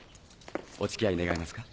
お付き合い願えますか？